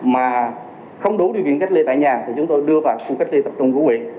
mà không đủ điều kiện cách ly tại nhà thì chúng tôi đưa vào khu cách ly tập trung của huyện